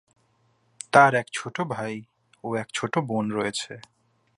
তার এক ছোট ভাই ও এক ছোট বোন রয়েছে।